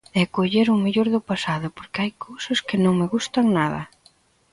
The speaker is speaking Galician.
E coller o mellor do pasado, porque hai cousas que non me gustan nada.